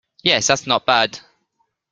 Yes, that's not bad.